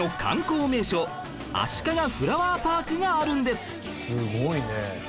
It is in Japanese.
すごいね。